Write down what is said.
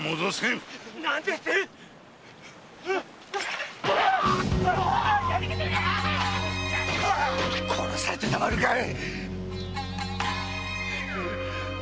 何ですって⁉殺されてたまるかい！